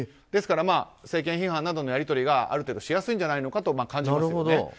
ですから政権批判などのやり取りがある程度しやすいんじゃないかと感じますよね。